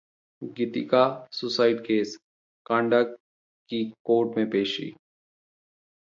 गीतिका suicide case: Kanda की court में पेशी